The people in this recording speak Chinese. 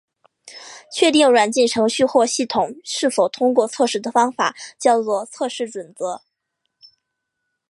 确定软件程序或系统是否通过测试的方法叫做测试准则。